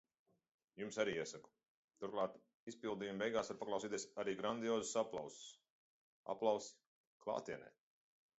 Jums arī iesaku. Turklāt izpildījuma beigās var paklausīties arī grandiozus aplausus. Aplausi. Klātienē.